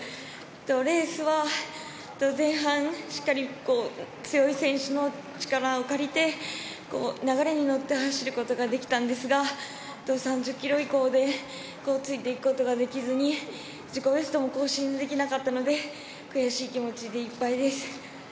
レースは前半しっかり強い選手の力を借りて、流れに乗って走ることができたんですが３０キロ以降でついていくことができずに自己ベストも更新できなかったので悔しい気持ちでいっぱいです。